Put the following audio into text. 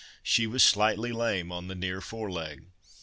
she was slightly lame on the near fore leg.